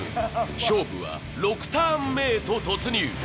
勝負は６ターン目へと突入。